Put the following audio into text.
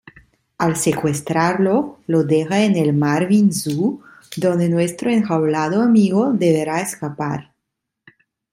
Al secuestrarlo lo deja en el Marvin zoo, donde nuestro enjaulado amigo deberá escapar.